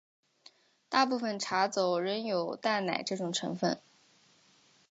大部份茶走仍有淡奶这种成份。